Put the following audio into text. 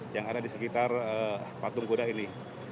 yang ada di sekitar patung kuda ini